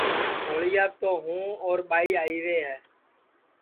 ہوݪیاپ تو ہوں اور ٻائی آئیرے ہے